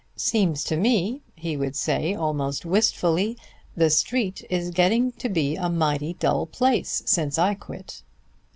"Seems to me," he would say almost wistfully, "the Street is getting to be a mighty dull place since I quit."